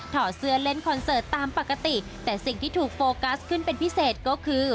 เสื้อเล่นคอนเสิร์ตตามปกติแต่สิ่งที่ถูกโฟกัสขึ้นเป็นพิเศษก็คือ